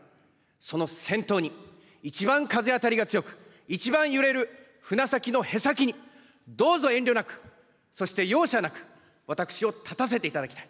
その先頭に、一番風当たりが強く、一番揺れる船先のへさきにどうぞ遠慮なく、そして容赦なく、私を立たせていただきたい。